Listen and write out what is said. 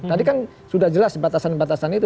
tadi kan sudah jelas batasan batasan itu